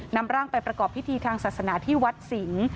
นำร่างไปประกอบพิธีทางศาสนาที่วัดสิงศ์